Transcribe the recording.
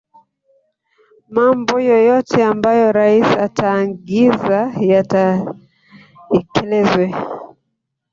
Mambo yoyote ambayo rais ataagiza yatekelezwe